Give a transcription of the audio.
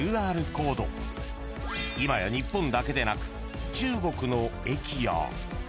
［今や日本だけでなく中国の駅や］